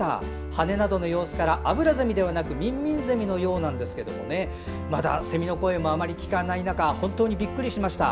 羽などの様子からアブラゼミではなくミンミンゼミのようですがまだセミの声もあまり聞かない中本当にびっくりしました。